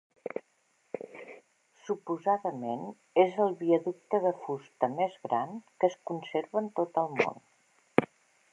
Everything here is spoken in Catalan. Suposadament, és el viaducte de fusta més gran que es conserva en tot el món.